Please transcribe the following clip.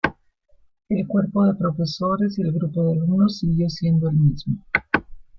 El cuerpo de profesores y el grupo de alumnos siguió siendo el mismo.